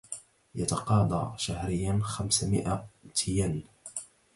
يتقاضى شهريا خمس مائة ين